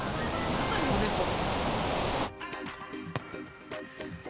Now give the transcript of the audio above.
まさにおでこ。